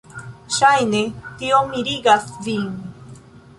Ŝajne tio mirigas vin.